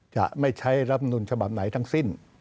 จะไม่ใช้รับนุนฉบับไหนทั้งสิ้น